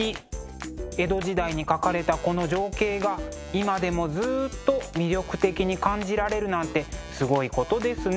江戸時代に描かれたこの情景が今でもずっと魅力的に感じられるなんてすごいことですね。